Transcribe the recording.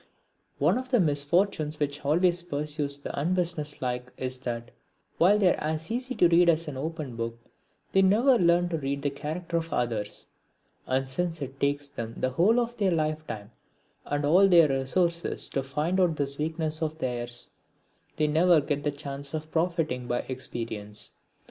One of the misfortunes which always pursues the unbusinesslike is that, while they are as easy to read as an open book, they never learn to read the character of others. And since it takes them the whole of their lifetime and all their resources to find out this weakness of theirs, they never get the chance of profiting by experience.